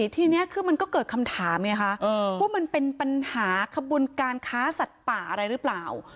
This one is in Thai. ทีนี้คือมันก็เกิดคำถามไงคะว่ามันเป็นปัญหาขบวนการค้าสัตว์ป่าอะไรหรือเปล่า